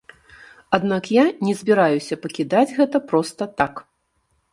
Аднак я не збіраюся пакідаць гэта проста так.